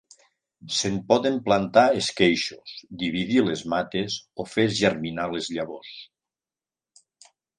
Se'n poden plantar esqueixos, dividir les mates o fer germinar les llavors.